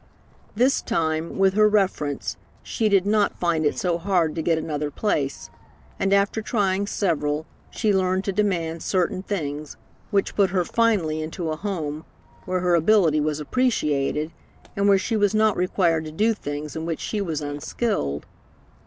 This time, with her reference, she did not find it so hard to get another place, and, after trying several, she learned to demand certain things, which put her finally into a home where her ability was appreciated, and where she was not required to do things in which she was unskilled.